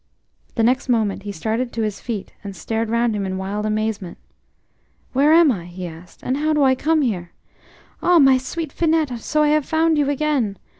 The next moment he started to his feet and stared round him in wild amazement. "Where am I?" he asked, "and how do I come here? Ah, my sweet Finette, so I have found you again!"